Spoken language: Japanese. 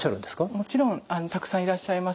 もちろんたくさんいらっしゃいます。